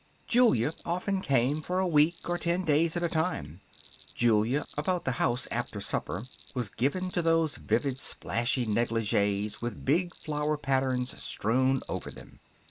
Julia often came for a week or ten days at a time. Julia, about the house after supper, was given to those vivid splashy negligees with big flower patterns strewn over them.